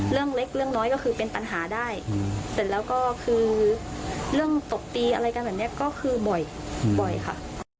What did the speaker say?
เรื่องเล็กเรื่องน้อยก็คือเป็นปัญหาได้เสร็จแล้วก็คือเรื่องตบตีอะไรกันแบบนี้ก็คือบ่อยบ่อยค่ะ